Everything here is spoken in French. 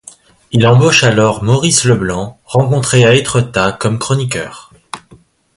Il embauche alors Maurice Leblanc, rencontré à Étretat comme chroniqueur.